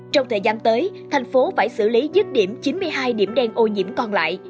trong thời gian tới thành phố phải xử lý dứt điểm chín mươi hai điểm đen ô nhiễm còn lại